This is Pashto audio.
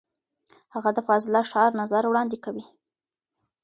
هغه د فاضله ښار نظر وړاندې کوي.